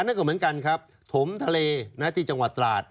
นั่นก็เหมือนกันครับถมทะเลที่จังหวัดตราด